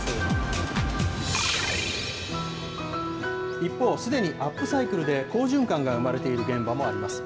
一方、すでにアップサイクルで好循環が生まれている現場もあります。